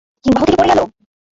হিমবাহ থেকে পড়ে গেল?